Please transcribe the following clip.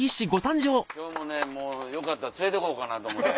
今日もねもうよかったら連れて来ようかなと思って。